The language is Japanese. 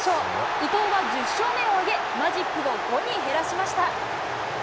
伊藤は１０勝目を挙げ、マジックを５に減らしました。